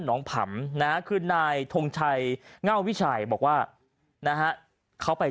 ผำนะคือนายทงชัยเง่าวิชัยบอกว่านะฮะเขาไป